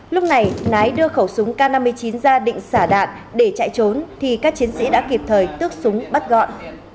lúc này nái đưa khẩu súng k năm mươi chín ra định xả đạn để chạy trốn thì các chiến sĩ đã kịp thời tước súng bắt gọn